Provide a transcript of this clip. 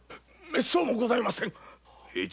めっそうもございません。